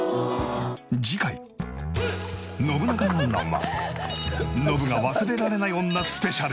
次回『ノブナカなんなん？』はノブが忘れられない女スペシャル。